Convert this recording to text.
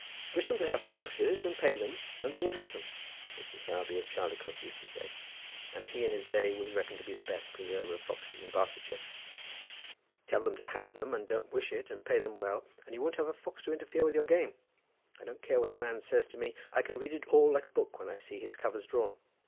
"Wish them to have foxes, and pay them, and they will have them," Mr. Sowerby of Chaldicotes used to say, and he in his day was reckoned to be the best preserver of foxes in Barsetshire. "Tell them to have them, and don't wish it, and pay them well, and you won't have a fox to interfere with your game. I don't care what a man says to me, I can read it all like a book when I see his covers drawn."